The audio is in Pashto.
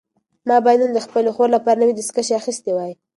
ما باید نن د خپلې خور لپاره نوي دستکشې اخیستې وای.